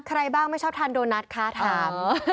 ใครบ้างไม่ชอบทานโดนัทคะถาม